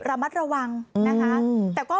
ระมัดระวังนะคะ